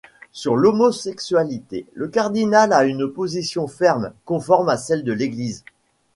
Sur l'homosexualité, le cardinal a une position ferme, conforme à celle de l'Église.